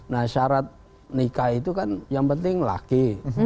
nah syarat nikah itu kan yang penting laki